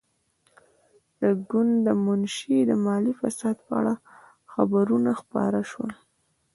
د ګوند د منشي د مالي فساد په اړه خبرونه خپاره شول.